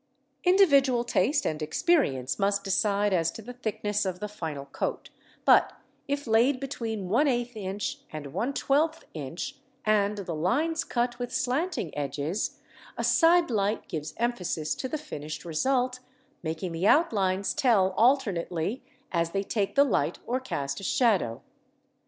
Individual taste and experience must decide as to the thickness of the final coat, but if laid between 1/8 and 1/12 inch, and the lines cut with slanting edges, a side light gives emphasis to the finished result, making the outlines tell alternately as they take the light or cast a shadow.